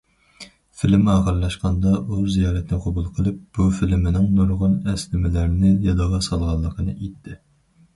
فىلىم ئاخىرلاشقاندا، ئۇ زىيارەتنى قوبۇل قىلىپ، بۇ فىلىمىنىڭ نۇرغۇن ئەسلىمىلەرنى يادىغا سالغانلىقىنى ئېيتتى.